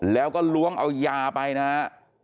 แล้วก็ล้วงเอายาไปนะฮะ